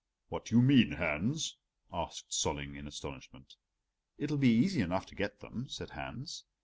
"What do you mean, Hans?" asked Solling in astonishment. "It'll be easy enough to get them," said Hans.